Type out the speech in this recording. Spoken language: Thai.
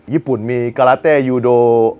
ญี่ปุ่นมีกาลาเต้ยูโด